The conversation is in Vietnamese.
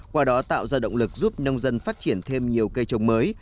qua đó tạo ra động lực giúp nông dân phát triển thêm nhiều cây trồng mới